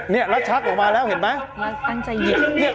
เนี่ยรัดชักออกมาแล้วเห็นมั้ย